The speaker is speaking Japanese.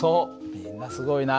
みんなすごいな。